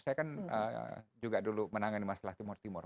saya kan juga dulu menangani masalah timor timor